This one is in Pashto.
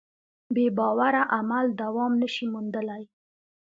بېباوره عمل دوام نهشي موندلی.